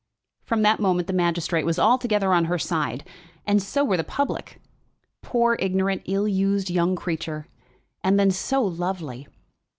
From that moment the magistrate was altogether on her side, and so were the public. Poor ignorant, ill used young creature; and then so lovely!